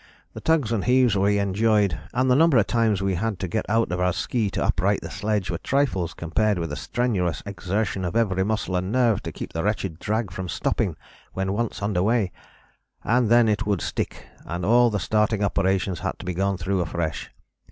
The tugs and heaves we enjoyed, and the number of times we had to get out of our ski to upright the sledge, were trifles compared with the strenuous exertion of every muscle and nerve to keep the wretched drag from stopping when once under weigh; and then it would stick, and all the starting operations had to be gone through afresh.